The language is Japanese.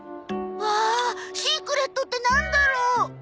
うわあシークレットってなんだろう？